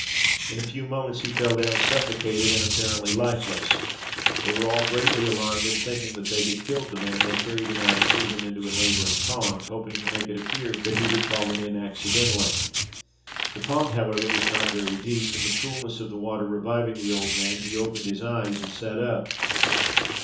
In a few moments he fell down suffocated and apparently lifeless. They were all greatly alarmed; and thinking that they had killed the man, they carried him out and threw him into a neighbouring pond, hoping to make it appear that he had fallen in accidentally. The pond, however, was not very deep, and the coolness of the water reviving the old man, he opened his eyes and sat up.